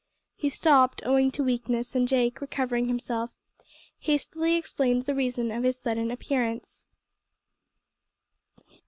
He stopped owing to weakness, and Jake, recovering himself, hastily explained the reason of his sudden appearance.